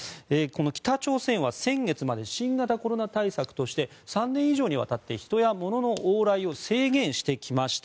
北朝鮮は先月まで新型コロナ対策として３年以上にわたって人や物の往来を制限してきました。